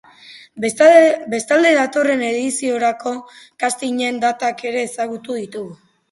Bestalde, datorren ediziorako castingen datak ere ezagutu ditugu.